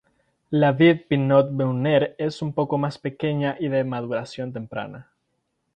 La vid pinot meunier es un poco más pequeña y de maduración temprana.